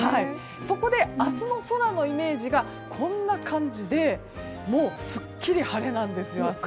そこで明日の空のイメージがこんな感じでもう、すっきり晴れなんですよ。